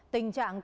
tình trạng cao